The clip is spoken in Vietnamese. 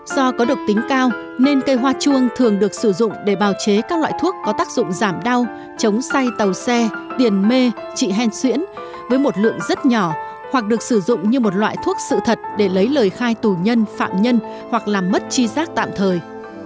do có độc tính cao nên cây hoa chuông thường được sử dụng để bào chế các loại thuốc có tác dụng giảm đau chống say tàu xe tiền mê trị hen xuyễn với một lượng rất nhỏ hoặc được sử dụng như một loại thuốc sự thật để lấy lời khai tù nhân phạm nhân hoặc làm mất chi giác tạm thời